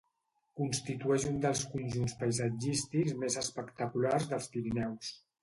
Constitueix un dels conjunts paisatgístics més espectaculars dels Pirineus.